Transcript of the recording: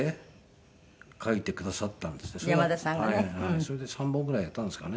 それで３本ぐらいやったんですかね。